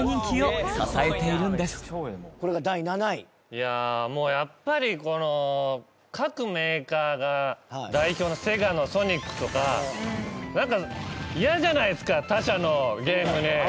いやあ、もう、やっぱりこの各メーカーが代表のＳＥＧＡのソニックとかなんか、イヤじゃないですか他社のゲームに。